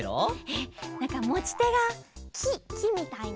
えっなんかもちてがききみたいな。